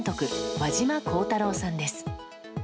和島香太郎さんです。